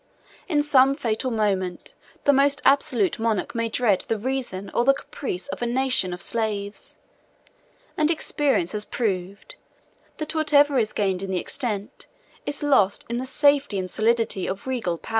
In some fatal moment, the most absolute monarch may dread the reason or the caprice of a nation of slaves; and experience has proved, that whatever is gained in the extent, is lost in the safety and solidity, of regal power.